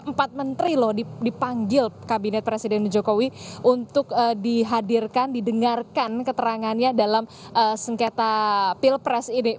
empat menteri loh dipanggil kabinet presiden jokowi untuk dihadirkan didengarkan keterangannya dalam sengketa pilpres ini